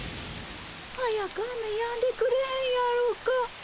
早く雨やんでくれへんやろか。